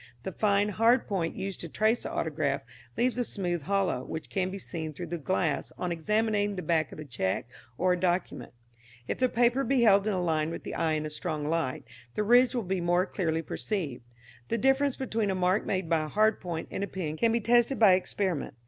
The fine, hard point used to trace the autograph leaves a smooth hollow, which can be seen through the glass on examining the back of the cheque or document. If the paper be held in a line with the eye in a strong light, the ridge will be more clearly perceived. The difference between a mark made by a hard point and a pen can be tested by experiment.